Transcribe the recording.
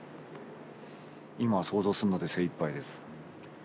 今は想像するので精いっぱいです。